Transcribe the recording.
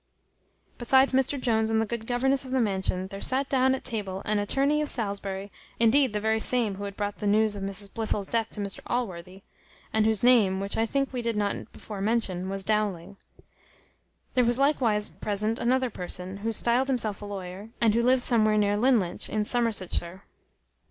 Besides Mr Jones and the good governess of the mansion, there sat down at table an attorney of Salisbury, indeed the very same who had brought the news of Mrs Blifil's death to Mr Allworthy, and whose name, which I think we did not before mention, was Dowling: there was likewise present another person, who stiled himself a lawyer, and who lived somewhere near Linlinch, in Somersetshire.